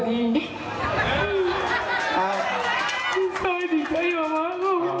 น้องซ่อยดิฉันหรอ